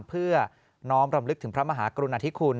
เพื่อน้อมรำลึกถึงพระมหากรุณาธิคุณ